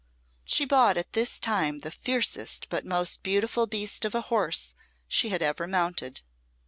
She bought at this time the fiercest but most beautiful beast of a horse she had ever mounted.